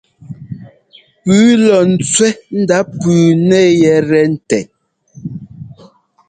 Pʉ́ʉ lɔ ńtsẅɛ́ ndá pʉ́ʉ nɛ yɛtɛ ńtɛ́.